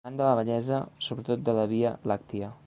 Amant de la bellesa, sobretot de la via làctia.